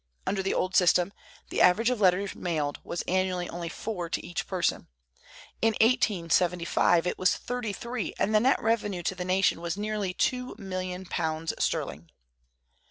Under the old system, the average of letters mailed was annually only four to each person. In 1875 it was thirty three, and the net revenue to the nation was nearly two million pounds sterling.